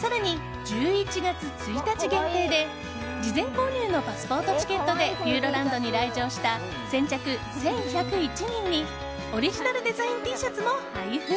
更に１１月１日限定で事前購入のパスポートチケットでピューロランドに来場した先着１１０１人にオリジナルデザインＴシャツも配布！